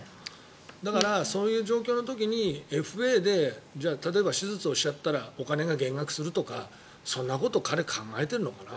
だからそういう状況の時にＦＡで例えば、手術をしちゃったらお金が減額するとかそんなこと彼、考えているのかな。